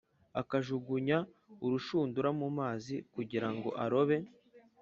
akajugunya urushundura mu mazi kugira ngo arobe